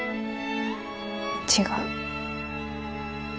違う。